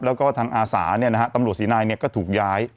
แล้วก็ทางอาศาเนี่ยนะฮะตำรวจศรีนายน์เนี่ยก็ถูกย้าย